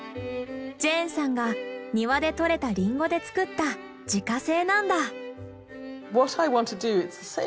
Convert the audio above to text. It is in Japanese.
ジェーンさんが庭で採れたリンゴで造った自家製なんだ。